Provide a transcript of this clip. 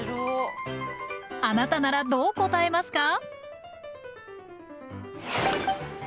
あなたならどう答えますか？